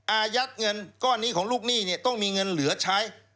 อายัดเงินก้อนนี้ของลูกหนี้เนี่ยต้องมีเงินเหลือใช้